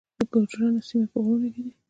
د ګوجرانو سیمې په غرونو کې دي